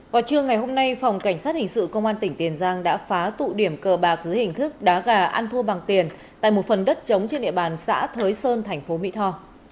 vào trưa ngày hôm nay phòng cảnh sát hình sự công an tỉnh tiền giang đã phá tụ điểm cờ bạc dưới hình thức đá gà ăn thua bằng tiền tại một phần đất chống trên địa bàn xã thới sơn thành phố mỹ tho